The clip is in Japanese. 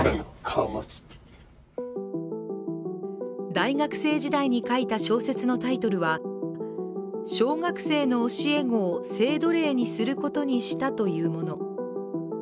大学生時代に書いた小説のタイトルは小学生の教え子を性奴隷にすることにしたというもの。